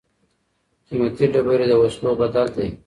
قیمتي ډبرې د وسلو بدل دي.